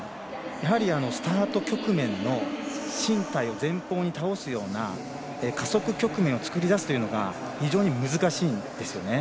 スタート局面の身体を前方に倒すような加速局面を作り出すというのが非常に難しいんですよね。